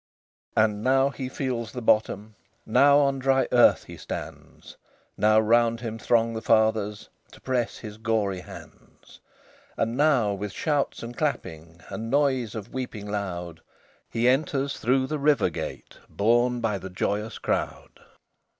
LXIV And now he feels the bottom; Now on dry earth he stands; Now round him throng the Fathers; To press his gory hands; And now, with shouts and clapping, And noise of weeping loud, He enters through the River Gate Borne by the joyous crowd.